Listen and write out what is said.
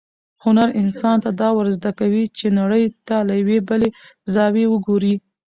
هنر انسان ته دا ورزده کوي چې نړۍ ته له یوې بلې زاویې وګوري.